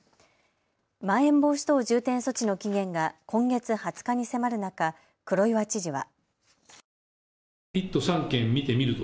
まん延防止等重点措置の期限が今月２０日に迫る中、黒岩知事は。